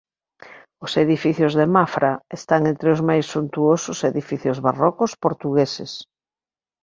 Os edificios de Mafra están entre os máis suntuosos edificios barrocos portugueses.